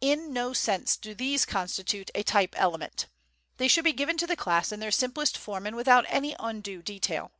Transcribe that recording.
In no sense do these constitute a type element. They should be given to the class in their simplest form and without any undue detail.